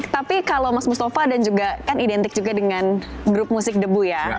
tapi kalau mas mustafa dan juga kan identik juga dengan grup musik debu ya